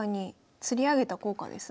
つり上げた効果ですね。